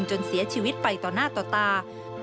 จนเสียชีวิตไปต่อหน้าต่อตา